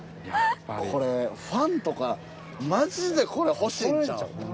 これファンとかマジでこれ欲しいんちゃう？